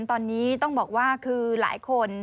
ตอนนี้ต้องบอกว่าคือหลายคน